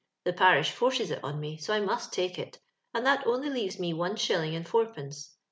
The parish forces it on me, so I must tako it, and that only leaves me one shilling and ibur pence.